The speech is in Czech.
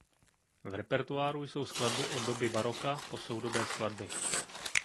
V repertoáru jsou skladby od doby baroka po soudobé skladby.